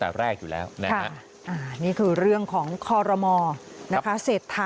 แต่แรกอยู่แล้วนะฮะนี่คือเรื่องของคอรมอนะคะเศรษฐะ